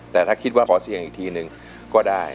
แต่ถ้าคิดว่าขอเสี่ยงอีกทีนึงก็ได้